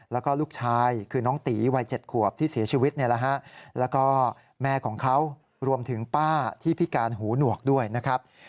แล้วก็ลูกชายคือน้องตีวัย๗ขวบที่เสียชีวิตแล้วก็แม่ของเขารวมถึงป้าที่พิการหูหนวกด้วยนะครับ